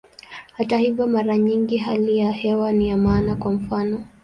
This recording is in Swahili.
Hata hivyo, mara nyingi hali ya hewa ni ya maana, kwa mfano.